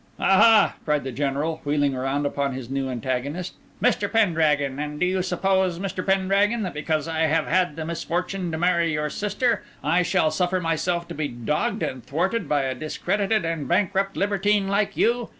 "Aha!" cried the General, wheeling round upon his new antagonist, "Mr. Pendragon! And do you suppose, Mr. Pendragon, that because I have had the misfortune to marry your sister, I shall suffer myself to be dogged and thwarted by a discredited and bankrupt libertine like you?